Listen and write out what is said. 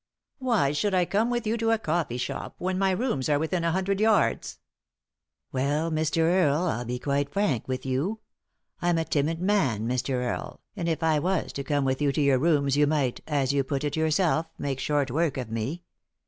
"Why should I come with you to a coffee shop, when my rooms are within a hundred yards ?"" Well, Mr. Earle, I'll be quite frank with you. I'm a timid man, Mr. Earle, and if I was to come with you to your rooms you might, as you put it yourself, make short work of me.